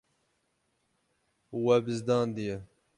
We bizdandiye.